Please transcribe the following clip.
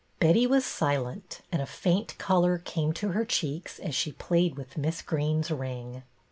Betty was silent, and a faint color came to her cheeks as she played with Miss Greene's ring.